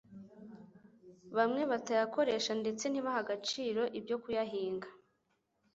bamwe batayakoresha, ndetse ntibahe agaciro ibyo kuyahinga.